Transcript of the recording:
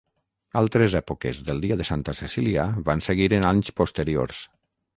Altres èpoques del dia de Santa Cecília van seguir en anys posteriors.